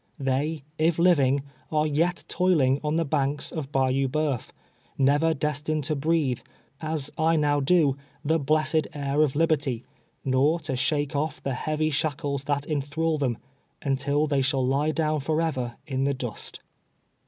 They, if living, are yet toiling on the banks of Bayou Bceuf, never des tined to breathe, as I now do, the blessed air of liberty, nor to shake off the heavy shackles that enthrall them, nntil they shall lie down forever in the dust.